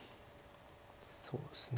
そうですね。